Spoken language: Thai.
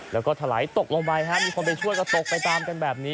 แล้วก็ถลายตกลงไปมีคนไปช่วยก็ตกไปตามกันแบบนี้